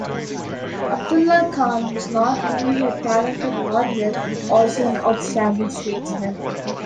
Abdullah Khan was not only a talented warrior, but also an outstanding statesman.